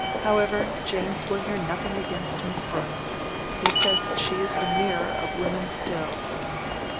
"However, James will hear nothing against Miss Brooke. He says she is the mirror of women still."